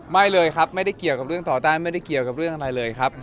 ไม่เลยครับไม่ได้เกี่ยวกับเรื่องต่อต้านไม่ได้เกี่ยวกับเรื่องอะไรเลยครับ